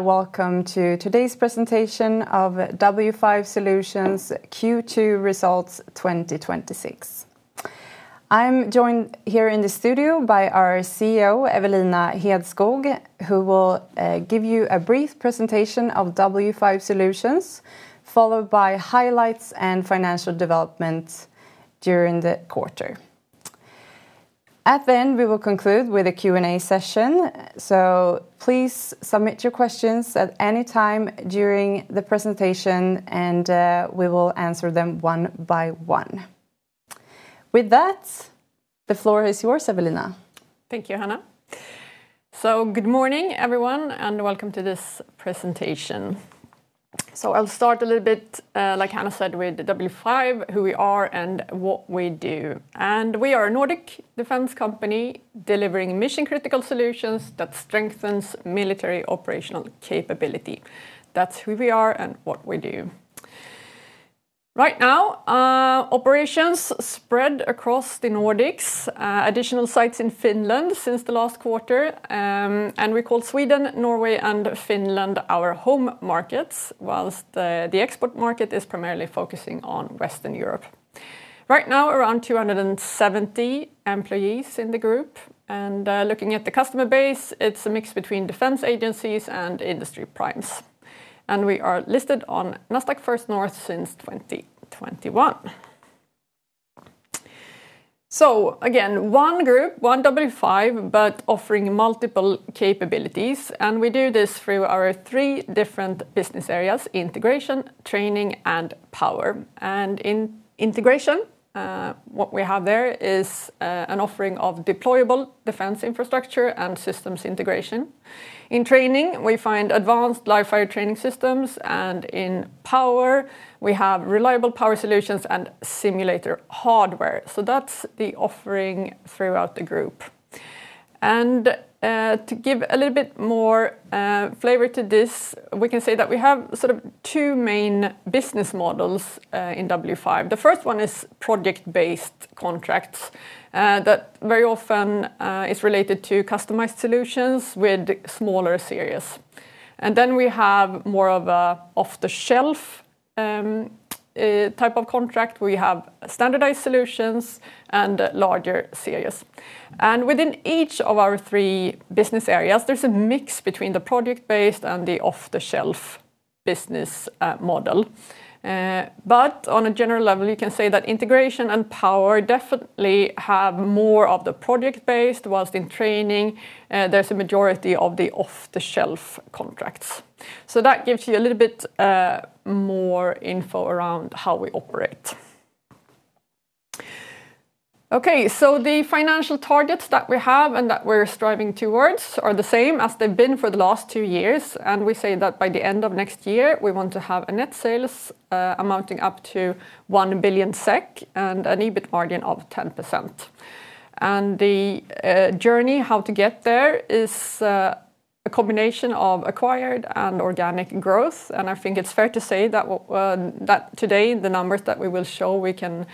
Welcome to today's presentation of W5 Solutions Q2 Results 2026. I'm joined here in the studio by our CEO, Evelina Hedskog, who will give you a brief presentation of W5 Solutions, followed by highlights and financial developments during the quarter. At the end, we will conclude with a Q&A session. Please submit your questions at any time during the presentation, and we will answer them one by one. With that, the floor is yours, Evelina. Thank you, Hannah. Good morning, everyone, and welcome to this presentation. I'll start a little bit, like Hannah said, with W5, who we are and what we do. We are a Nordic defense company delivering mission-critical solutions that strengthen military operational capability. That's who we are and what we do. Right now, operations spread across the Nordics. Additional sites in Finland since the last quarter, and we call Sweden, Norway, and Finland our home markets, whilst the export market is primarily focusing on Western Europe. Right now, around 270 employees in the group and looking at the customer base, it's a mix between defense agencies and industry primes. We are listed on Nasdaq First North since 2021. One group, one W5, offering multiple capabilities. We do this through our three different business areas: Integration, Training, and Power. In Integration, what we have there is an offering of deployable defense infrastructure and systems integration. In Training, we find advanced live-fire training systems, and in Power, we have reliable power solutions and simulator hardware. That's the offering throughout the group. To give a little bit more flavor to this, we can say that we have two main business models in W5. The first one is project-based contracts that very often are related to customized solutions with smaller series. We have more of an off-the-shelf type of contract. We have standardized solutions and larger series. Within each of our three business areas, there's a mix between the project-based and the off-the-shelf business model. On a general level, you can say that Integration and Power definitely have more of the project-based, whilst in Training, there's a majority of the off-the-shelf contracts. That gives you a little bit more info around how we operate. The financial targets that we have and that we're striving towards are the same as they've been for the last two years. We say that by the end of next year, we want to have net sales amounting up to 1 billion SEK and an EBIT margin of 10%. The journey how to get there is a combination of acquired and organic growth. I think it's fair to say that today the numbers that we will show, we can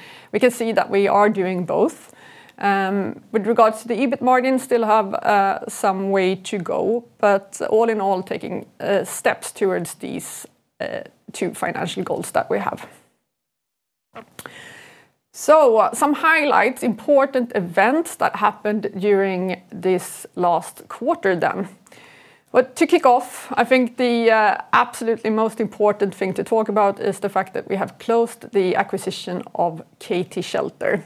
see that we are doing both. With regards to the EBIT margin, still have some way to go. All in all, taking steps towards these two financial goals that we have. Some highlights, important events that happened during this last quarter then. To kick off, I think the absolutely most important thing to talk about is the fact that we have closed the acquisition of KT-Shelter.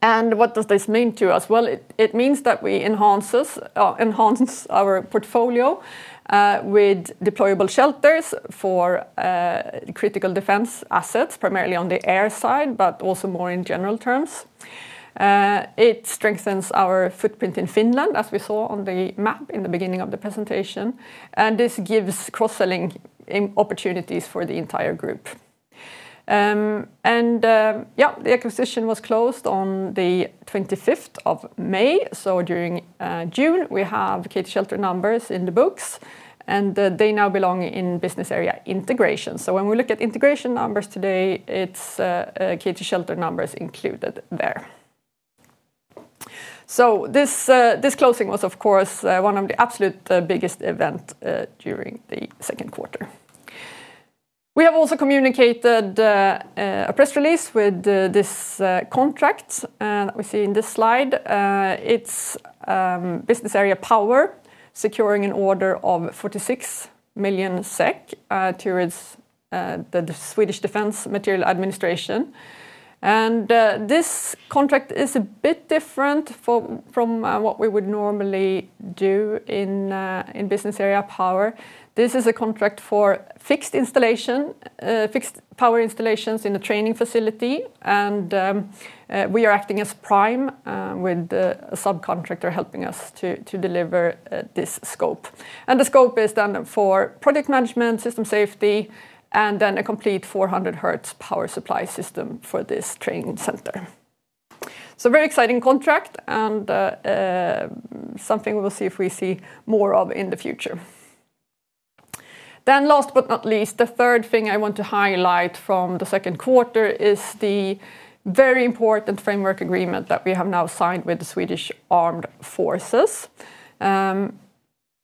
What does this mean to us? It means that we enhance our portfolio with deployable shelters for critical defense assets, primarily on the air side, but also more in general terms. It strengthens our footprint in Finland, as we saw on the map at the beginning of the presentation, and this gives cross-selling opportunities for the entire group. The acquisition was closed on the 25th of May, so during June, we have KT-Shelter numbers in the books, and they now belong in the business area Integration. When we look at Integration numbers today, KT Shelter numbers are included there. This closing was, of course, one of the absolute biggest events during the second quarter. We have also communicated a press release with this contract that we see in this slide. It's business area Power securing an order of 46 million SEK towards the Swedish Defence Materiel Administration. This contract is a bit different from what we would normally do in business area Power. This is a contract for fixed power installations in a training facility, and we are acting as prime with a subcontractor helping us to deliver this scope. The scope is done for project management, system safety, and a complete 400 Hz power supply system for this training center. Very exciting contract and something we will see if we see more of in the future. Last but not least, the third thing I want to highlight from the second quarter is the very important framework agreement that we have now signed with the Swedish Armed Forces.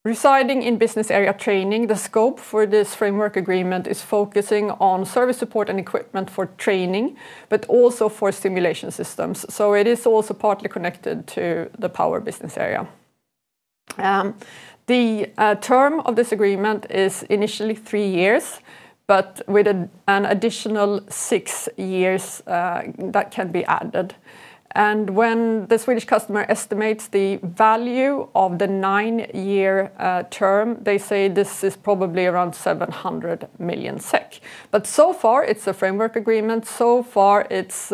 Residing in business area Training, the scope for this framework agreement is focusing on service support and equipment for training, but also for simulation systems. It is also partly connected to the Power business area. The term of this agreement is initially three years, but with an additional six years that can be added. When the Swedish customer estimates the value of the nine-year term, they say this is probably around 700 million SEK. So far, it's a framework agreement. So far, it's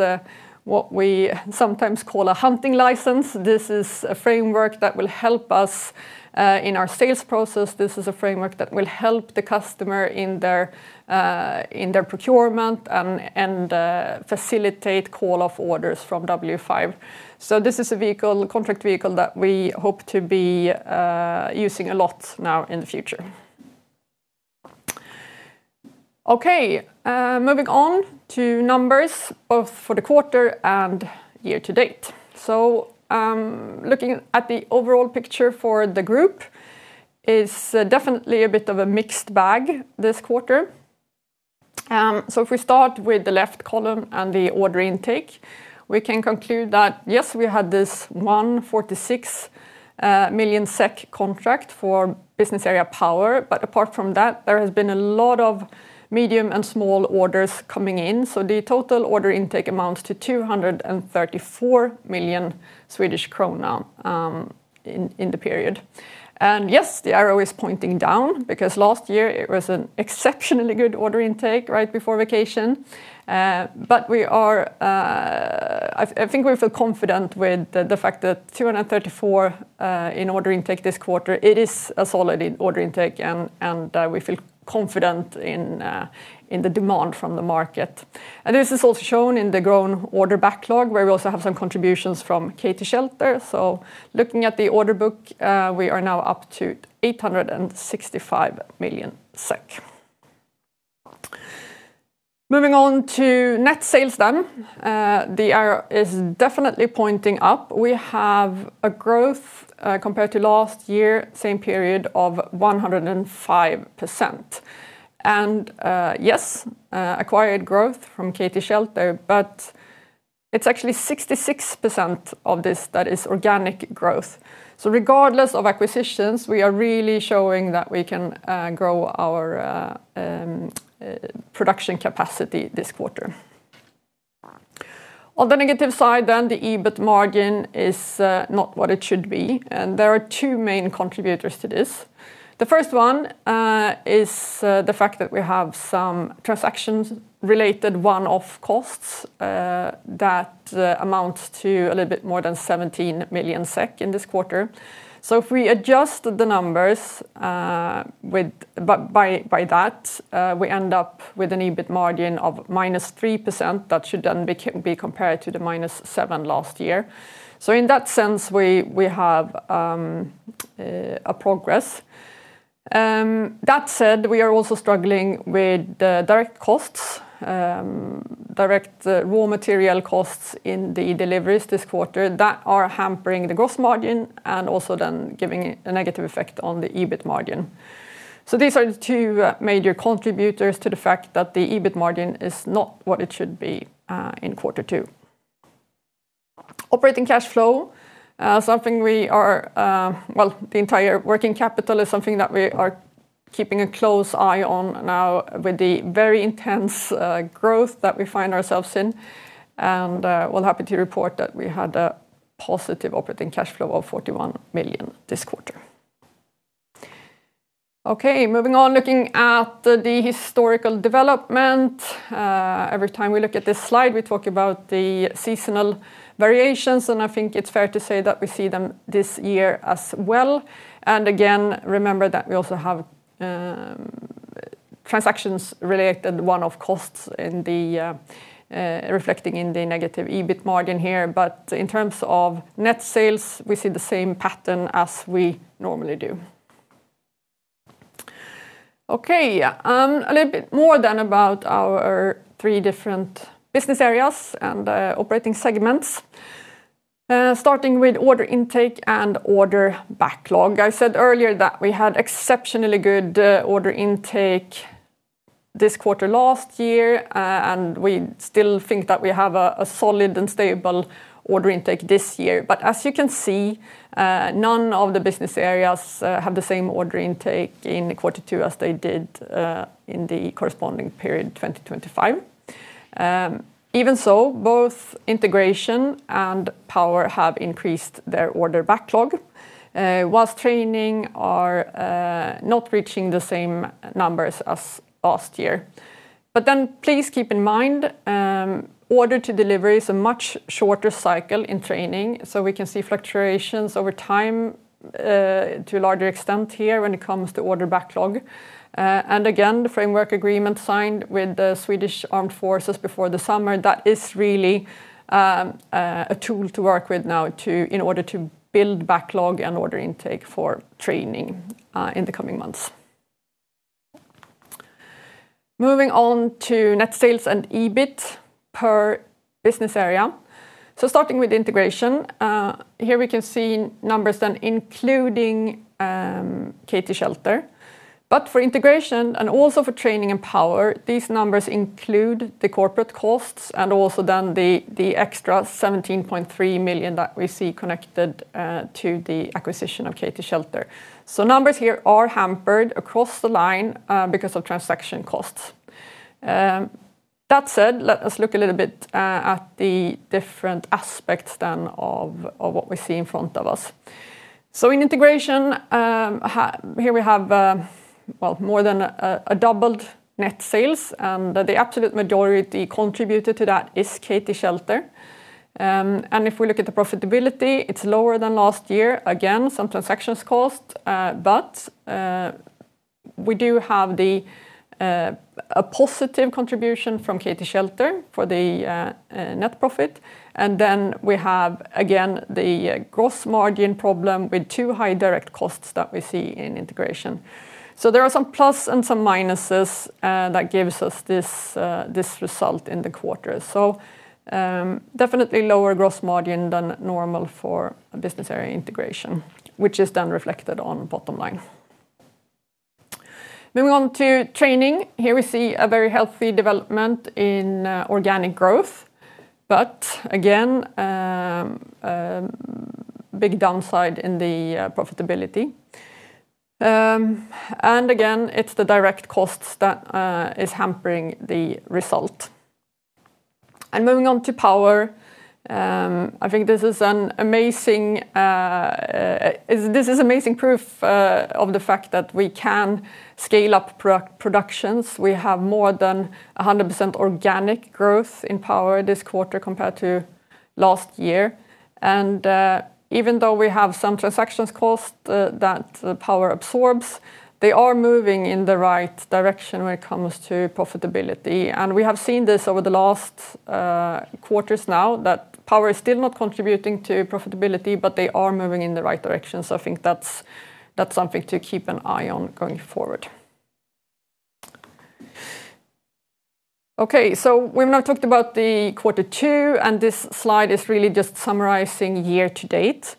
what we sometimes call a hunting license. This is a framework that will help us in our sales process. This is a framework that will help the customer in their procurement and facilitate call-off orders from W5. This is a contract vehicle that we hope to be using a lot now in the future. Okay. Moving on to numbers, both for the quarter and year-to-date. Looking at the overall picture for the group, it's definitely a bit of a mixed bag this quarter. If we start with the left column and the order intake, we can conclude that, yes, we had this 46 million SEK contract for business area Power, but apart from that, there has been a lot of medium and small orders coming in. The total order intake amounts to 234 million Swedish krona in the period. Yes, the arrow is pointing down because last year it was an exceptionally good order intake right before vacation. I think we feel confident with the fact that 234 million in order intake this quarter, it is a solid order intake, and we feel confident in the demand from the market. This is also shown in the grown order backlog, where we also have some contributions from KT-Shelter. Looking at the order book, we are now up to 865 million SEK. Moving on to net sales. The arrow is definitely pointing up. We have a growth, compared to last year, same period, of 105%. Yes, acquired growth from KT-Shelter, but it is actually 66% of this that is organic growth. Regardless of acquisitions, we are really showing that we can grow our production capacity this quarter. On the negative side, the EBIT margin is not what it should be. There are two main contributors to this. The first one is the fact that we have some transactions-related one-off costs, that amount to a little bit more than 17 million SEK in this quarter. If we adjust the numbers by that, we end up with an EBIT margin of -3%. That should be compared to the -7% last year. In that sense, we have a progress. That said, we are also struggling with the direct costs. Direct raw material costs in the deliveries this quarter that are hampering the gross margin and also giving a negative effect on the EBIT margin. These are the two major contributors to the fact that the EBIT margin is not what it should be in quarter two. Operating cash flow. The entire working capital is something that we are keeping a close eye on now with the very intense growth that we find ourselves in, and we are happy to report that we had a positive operating cash flow of 41 million this quarter. Moving on, looking at the historical development. Every time we look at this slide, we talk about the seasonal variations. I think it is fair to say that we see them this year as well. Again, remember that we also have transactions-related one-off costs reflecting in the negative EBIT margin here. In terms of net sales, we see the same pattern as we normally do. A little bit more about our three different business areas and operating segments. Starting with order intake and order backlog. I said earlier that we had exceptionally good order intake this quarter last year. We still think that we have a solid and stable order intake this year. As you can see, none of the business areas have the same order intake in quarter two as they did in the corresponding period in 2025. Even so, both Integration and Power have increased their order backlog, whilst Training are not reaching the same numbers as last year. Please keep in mind, order to deliver is a much shorter cycle in Training, so we can see fluctuations over time to a larger extent here when it comes to order backlog. Again, the framework agreement signed with the Swedish Armed Forces before the summer, that is really a tool to work with now in order to build backlog and order intake for Training in the coming months. Moving on to net sales and EBIT per business area. Starting with Integration, here we can see numbers including KT-Shelter. For Integration and also for Training and Power, these numbers include the corporate costs and also the extra 17.3 million that we see connected to the acquisition of KT-Shelter. Numbers here are hampered across the line because of transaction costs. That said, let us look a little bit at the different aspects then, of what we see in front of us. In Integration, here we have more than a doubled net sales. The absolute majority contributor to that is KT-Shelter. If we look at the profitability, it's lower than last year, again, some transaction costs. We do have a positive contribution from KT-Shelter for the net profit. We have, again, the gross margin problem with two high direct costs that we see in Integration. There are some plus and some minuses that gives us this result in the quarter. Definitely lower gross margin than normal for a business area Integration, which is then reflected on bottom line. Moving on to Training, here we see a very healthy development in organic growth, again, big downside in the profitability. Again, it's the direct costs that is hampering the result. Moving on to Power, I think this is amazing proof of the fact that we can scale up productions. We have more than 100% organic growth in Power this quarter compared to last year. Even though we have some transaction costs that the Power absorbs, they are moving in the right direction when it comes to profitability. We have seen this over the last quarters now, that Power is still not contributing to profitability, they are moving in the right direction. I think that's something to keep an eye on going forward. We've now talked about the quarter two, this slide is really just summarizing year-to-date.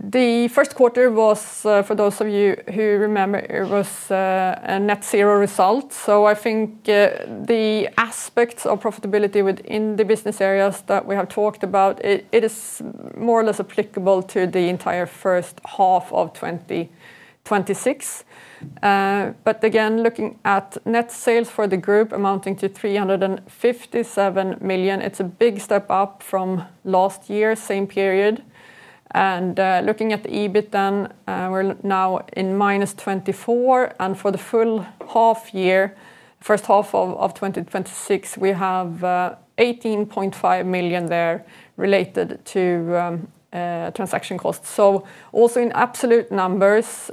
The first quarter was, for those of you who remember, it was a net zero result. I think the aspects of profitability within the business areas that we have talked about, it is more or less applicable to the entire first half of 2026. Again, looking at net sales for the group amounting to 357 million, it's a big step up from last year, same period. Looking at the EBIT then, we're now in -24 million, for the full first half of 2026, we have 18.5 million there related to transaction costs. Also in absolute numbers,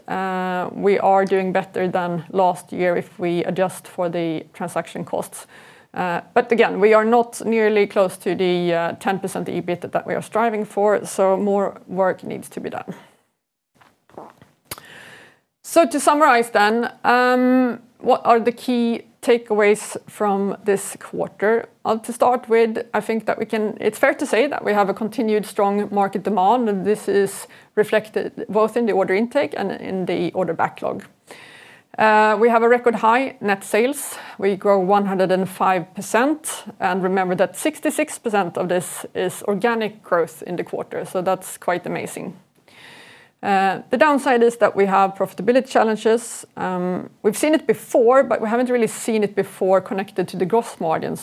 we are doing better than last year if we adjust for the transaction costs. Again, we are not nearly close to the 10% EBIT that we are striving for, more work needs to be done. To summarize then, what are the key takeaways from this quarter? To start with, I think that it's fair to say that we have a continued strong market demand, this is reflected both in the order intake and in the order backlog. We have a record high net sales. We grow 105%. Remember that 66% of this is organic growth in the quarter, that's quite amazing. The downside is that we have profitability challenges. We've seen it before, we haven't really seen it before connected to the gross margin.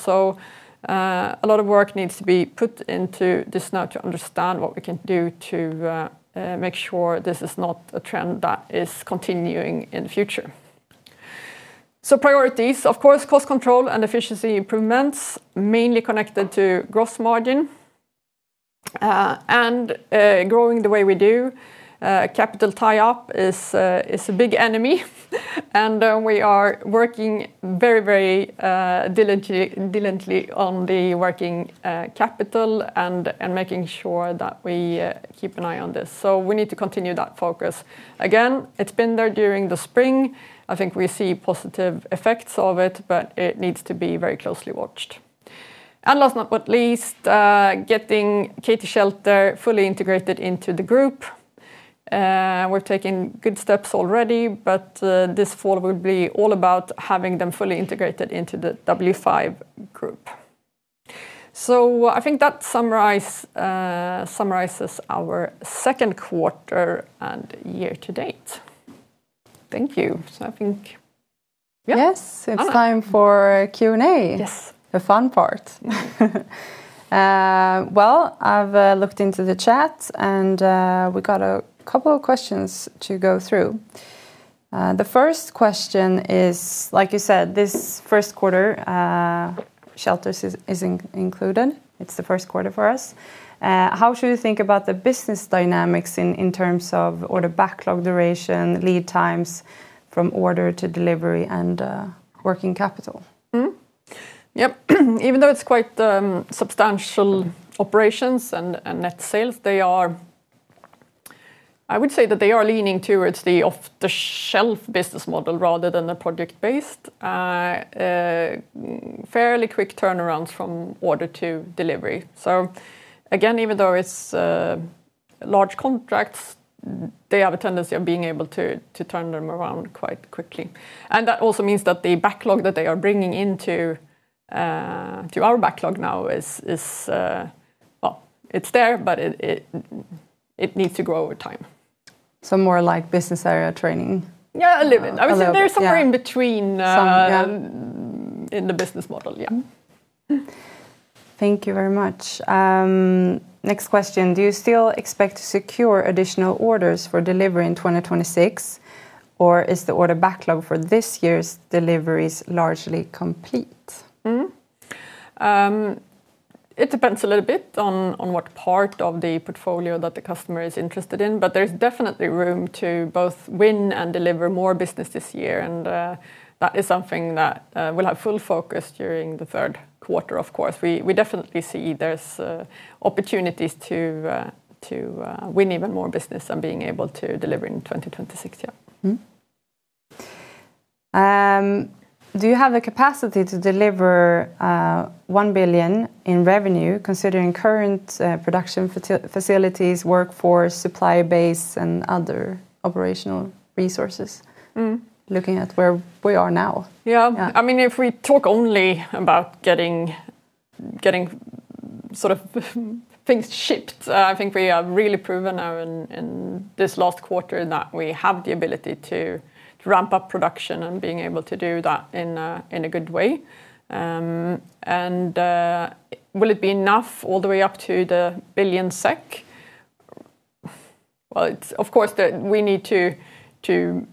A lot of work needs to be put into this now to understand what we can do to make sure this is not a trend that is continuing in the future. Priorities, of course, cost control and efficiency improvements, mainly connected to gross margin. Growing the way we do, capital tie-up is a big enemy and we are working very diligently on the working capital and making sure that we keep an eye on this. We need to continue that focus. Again, it has been there during the spring. I think we see positive effects of it, but it needs to be very closely watched. Last but not least, getting KT-Shelter fully integrated into the group. We are taking good steps already, but this fall will be all about having them fully integrated into the W5 group. I think that summarizes our second quarter and year-to-date. Thank you. I think, yeah, Hannah. Yes, it is time for Q&A. Yes. The fun part. Well, I have looked into the chat, we got a couple of questions to go through. The first question is, like you said, this first quarter, Shelters is included. It is the first quarter for us. How should we think about the business dynamics in terms of order backlog duration, lead times from order to delivery, and working capital? Yes. Even though it is quite substantial operations and net sales, they are I would say that they are leaning towards the off-the-shelf business model rather than the project-based. Fairly quick turnarounds from order to delivery. Again, even though it is large contracts, they have a tendency of being able to turn them around quite quickly. That also means that the backlog that they are bringing into our backlog now is there, but it needs to grow over time. More like business area Training? Yeah, a little bit. A little, yeah. I would say they're somewhere in between. Some, yeah in the business model. Yeah. Thank you very much. Next question. Do you still expect to secure additional orders for delivery in 2026, or is the order backlog for this year's deliveries largely complete? It depends a little bit on what part of the portfolio that the customer is interested in, but there's definitely room to both win and deliver more business this year. That is something that will have full focus during the third quarter, of course. We definitely see there's opportunities to win even more business and being able to deliver in 2026. Yeah. Do you have the capacity to deliver 1 billion in revenue considering current production facilities, workforce, supply base, and other operational resources? Looking at where we are now. Yeah. Yeah. If we talk only about getting things shipped, I think we have really proven now in this last quarter that we have the ability to ramp up production and being able to do that in a good way. Will it be enough all the way up to 1 billion SEK? Of course, we need to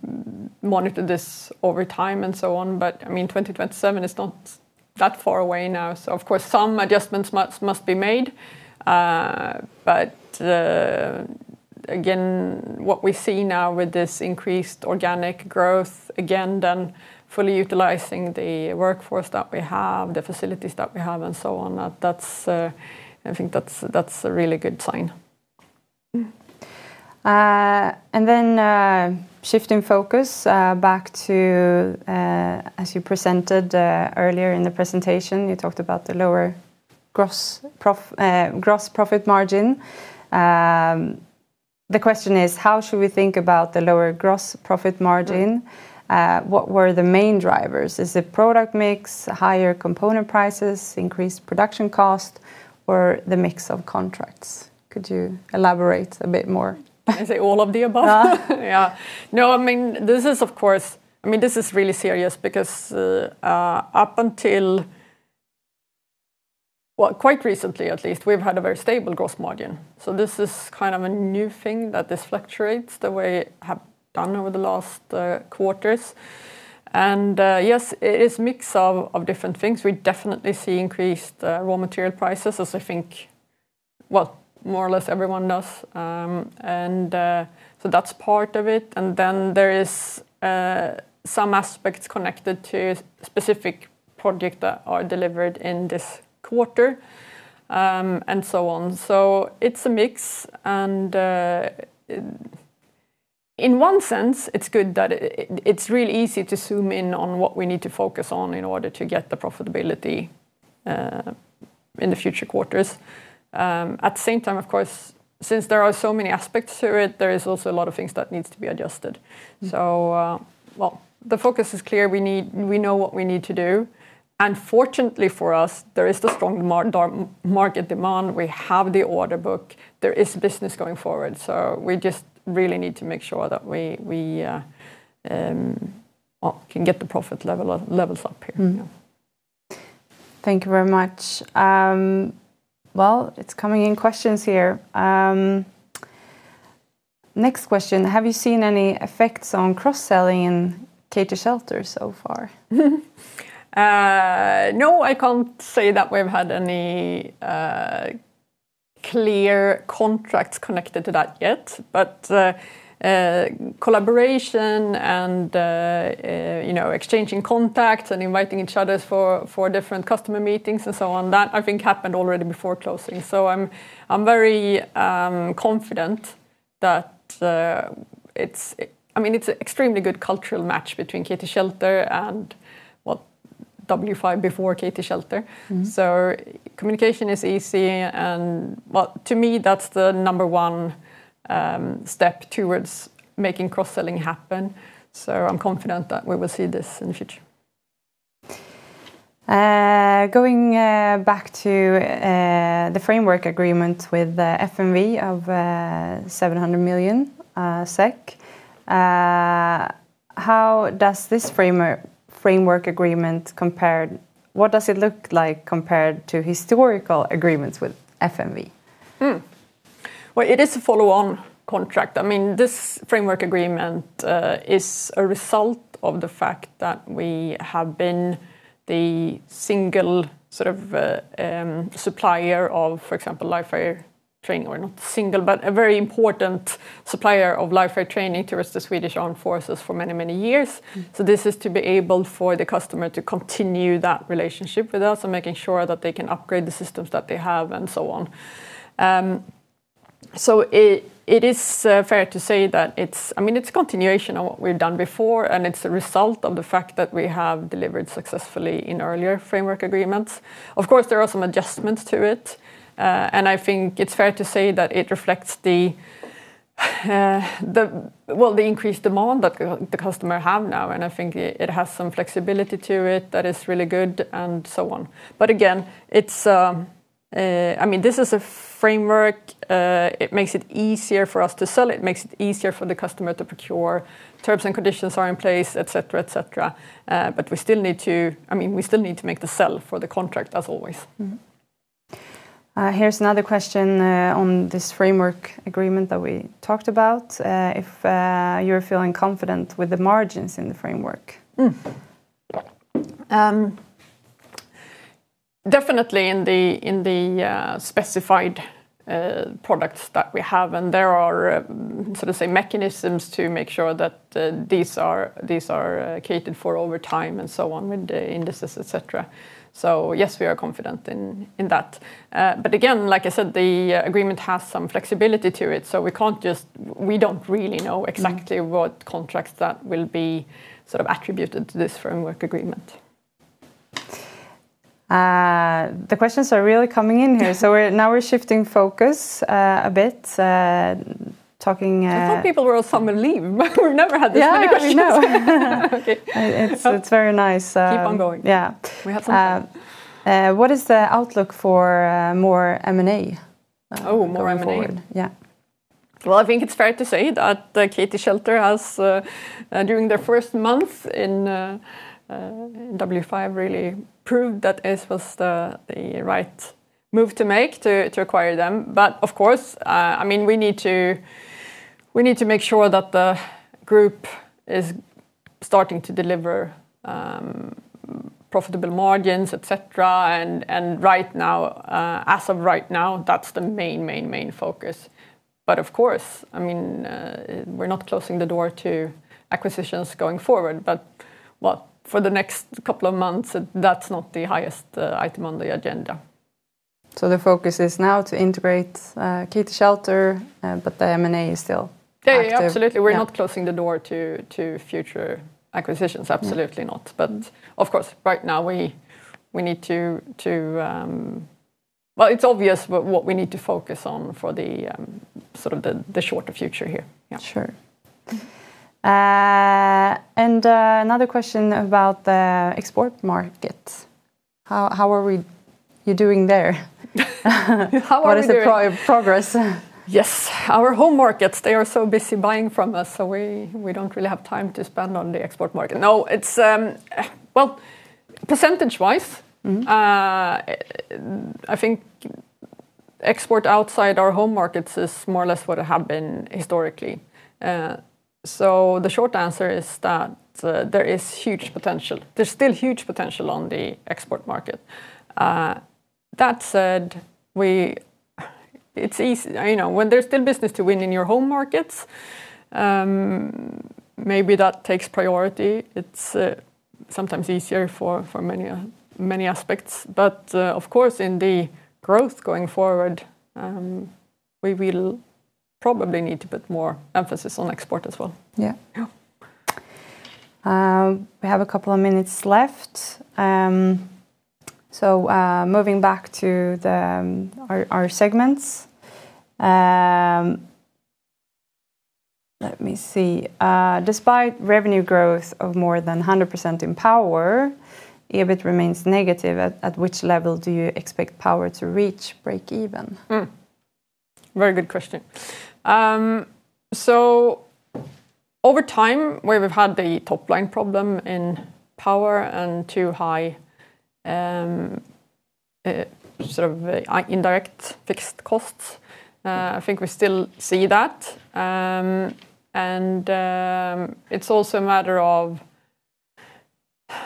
monitor this over time and so on, but 2027 is not that far away now. Of course some adjustments must be made. Again, what we see now with this increased organic growth, again, fully utilizing the workforce that we have, the facilities that we have and so on, I think that's a really good sign. Shifting focus back to, as you presented earlier in the presentation, you talked about the lower gross profit margin. The question is: How should we think about the lower gross profit margin? What were the main drivers? Is it product mix, higher component prices, increased production cost, or the mix of contracts? Could you elaborate a bit more? Can I say all of the above? Yeah. Yeah. This is really serious because up until, well, quite recently at least, we've had a very stable gross margin. This is a new thing that this fluctuates the way it has done over the last quarters. Yes, it is a mix of different things. We definitely see increased raw material prices as I think, well, more or less everyone does. That's part of it. There is some aspects connected to specific project that are delivered in this quarter, and so on. It's a mix and in one sense, it's good that it's really easy to zoom in on what we need to focus on in order to get the profitability in the future quarters. At the same time, of course, since there are so many aspects to it, there is also a lot of things that needs to be adjusted. The focus is clear. We know what we need to do, fortunately for us, there is the strong market demand. We have the order book. There is business going forward, we just really need to make sure that we can get the profit levels up here. Mm-hmm. Thank you very much. Well, it's coming in questions here. Next question. Have you seen any effects on cross-selling in KT-Shelter so far? I can't say that we've had any clear contracts connected to that yet. Collaboration and exchanging contacts and inviting each other for different customer meetings and so on, that I think happened already before closing. I'm very confident that it's an extremely good cultural match between KT-Shelter and, well, W5 before KT-Shelter. Communication is easy and to me, that's the number one step towards making cross-selling happen. I'm confident that we will see this in the future. Going back to the framework agreement with the FMV of SEK 700 million. How does this framework agreement compare? What does it look like compared to historical agreements with FMV? Well, it is a follow-on contract. This framework agreement is a result of the fact that we have been the single supplier of, for example, live fire training, or not single, but a very important supplier of live fire training towards the Swedish Armed Forces for many, many years. This is to be able for the customer to continue that relationship with us and making sure that they can upgrade the systems that they have and so on. It is fair to say that it's a continuation of what we've done before, and it's a result of the fact that we have delivered successfully in earlier framework agreements. Of course, there are some adjustments to it. I think it's fair to say that it reflects the increased demand that the customer have now, and I think it has some flexibility to it that is really good and so on. Again, this is a framework. It makes it easier for us to sell, it makes it easier for the customer to procure, terms and conditions are in place, et cetera. We still need to make the sell for the contract, as always. Here's another question on this framework agreement that we talked about. If you're feeling confident with the margins in the framework? Definitely in the specified products that we have, and there are mechanisms to make sure that these are catered for over time and so on with the indices, et cetera. Yes, we are confident in that. Again, like I said, the agreement has some flexibility to it, so we don't really know exactly what contracts that will be attributed to this framework agreement. The questions are really coming in here. Now we're shifting focus a bit. I thought people were on summer leave. We've never had this many questions. Yeah, I know. Okay. It's very nice. Keep on going. Yeah. We have some time. What is the outlook for more M&A- Oh, more M&A? going forward? Yeah. I think it's fair to say that the KT-Shelter has, during their first month in W5, really proved that this was the right move to make to acquire them. Of course, we need to make sure that the group is starting to deliver profitable margins, et cetera. As of right now, that's the main focus. Of course, we're not closing the door to acquisitions going forward. For the next couple of months, that's not the highest item on the agenda. The focus is now to integrate KT-Shelter, but the M&A is still active. Yeah, absolutely. We're not closing the door to future acquisitions, absolutely not. Of course, right now, it's obvious what we need to focus on for the shorter future here. Sure. Another question about the export market. How are you doing there? How are we doing? What is the progress? Yes. Our home markets, they are so busy buying from us, so we don't really have time to spend on the export market. No. Well, percentage-wise- I think export outside our home markets is more or less what it had been historically. The short answer is that there's still huge potential on the export market. That said, when there's still business to win in your home markets, maybe that takes priority. It's sometimes easier for many aspects. Of course, in the growth going forward, we will probably need to put more emphasis on export as well. Yeah. Yeah. We have a couple of minutes left. Moving back to our segments. Let me see. Despite revenue growth of more than 100% in Power, EBIT remains negative. At which level do you expect Power to reach breakeven? Very good question. Over time, where we've had the top-line problem in Power and too high indirect fixed costs, I think we still see that. It's also a matter of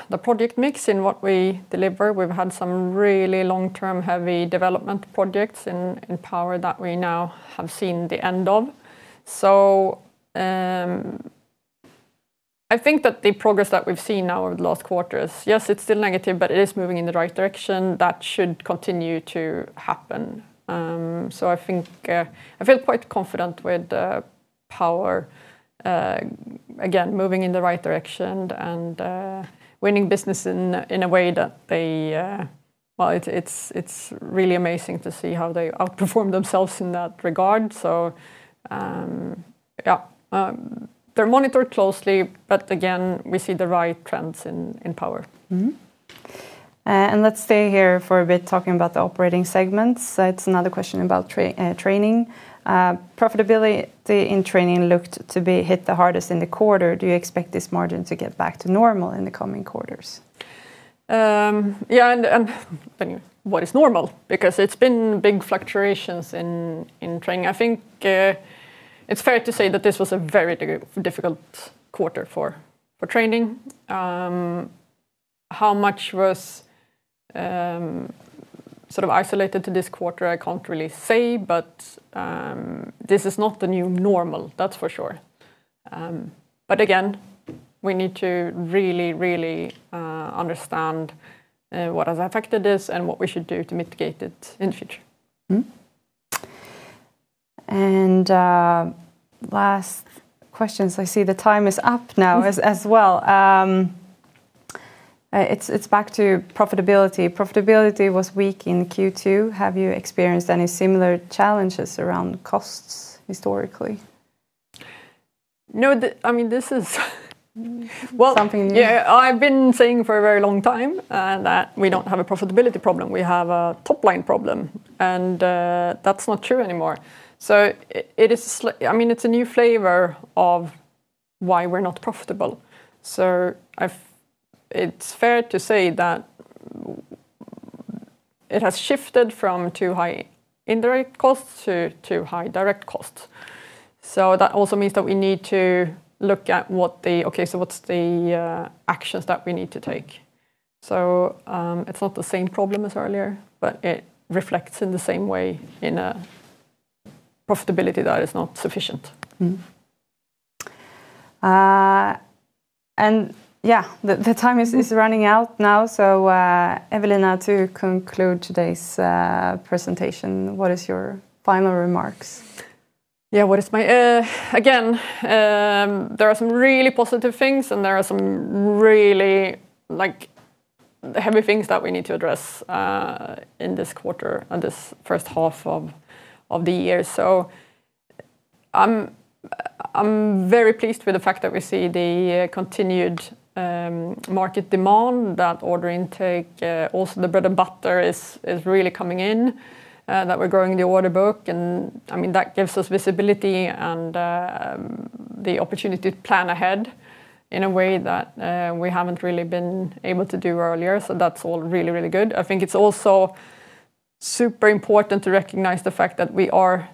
the project mix in what we deliver. We've had some really long-term, heavy development projects in Power that we now have seen the end of. I think that the progress that we've seen now over the last quarter is, yes, it's still negative, but it is moving in the right direction. That should continue to happen. I feel quite confident with the Power, again, moving in the right direction and winning business in a way that, well, it's really amazing to see how they outperform themselves in that regard. Yeah. They're monitored closely, but again, we see the right trends in Power. Let's stay here for a bit talking about the operating segments. It's another question about Training. Profitability in Training looked to be hit the hardest in the quarter. Do you expect this margin to get back to normal in the coming quarters? Yeah. What is normal? Because it's been big fluctuations in Training. I think it's fair to say that this was a very difficult quarter for Training. How much was isolated to this quarter, I can't really say, but this is not the new normal, that's for sure. Again, we need to really understand what has affected this and what we should do to mitigate it in the future. Last questions, I see the time is up now as well. It's back to profitability. Profitability was weak in Q2. Have you experienced any similar challenges around costs historically? No. This is Something new. Yeah. I've been saying for a very long time that we don't have a profitability problem. We have a top-line problem, and that's not true anymore. It's a new flavor of why we're not profitable. It's fair to say that it has shifted from too high indirect costs to too high direct costs. That also means that we need to look at, okay, what's the actions that we need to take? It's not the same problem as earlier, but it reflects in the same way in a profitability that is not sufficient. Yeah, the time is running out now. Evelina, to conclude today's presentation, what is your final remarks? Yeah. Again, there are some really positive things and there are some really heavy things that we need to address in this quarter and this first half of the year. I'm very pleased with the fact that we see the continued market demand, that order intake, also the bread and butter is really coming in, that we're growing the order book, and that gives us visibility and the opportunity to plan ahead in a way that we haven't really been able to do earlier. That's all really good. I think it's also super important to recognize the fact that we are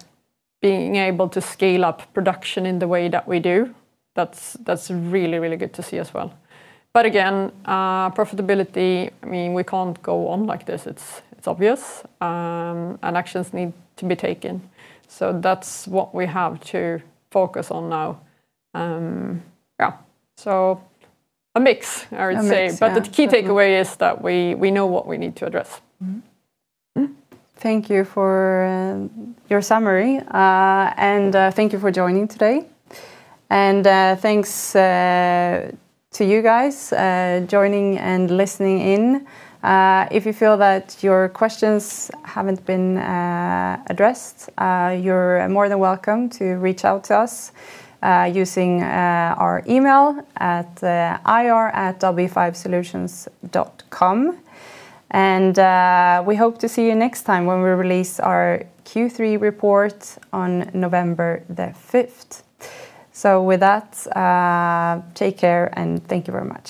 being able to scale up production in the way that we do. That's really good to see as well. Again, profitability, we can't go on like this. It's obvious. Actions need to be taken. That's what we have to focus on now. Yeah, a mix, I would say. A mix, yeah. The key takeaway is that we know what we need to address. Thank you for your summary. Thank you for joining today. Thanks to you guys, joining and listening in. If you feel that your questions haven't been addressed, you're more than welcome to reach out to us using our email at ir@w5solutions.com. We hope to see you next time when we release our Q3 report on November the 5th. With that, take care, and thank you very much.